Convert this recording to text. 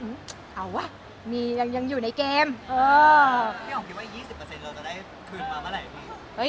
พี่หอมคิดว่า๒๐เราจะได้คืนมาเมื่อไหร่พี่